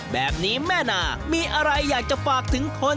แบบนี้แม่นามีอะไรอยากจะฝากถึงคน